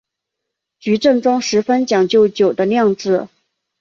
菊正宗十分讲究酒的酿制。